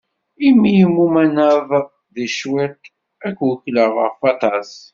Imi i mumaneḍ di cwiṭ, ad k-wekkleɣ ɣef waṭas.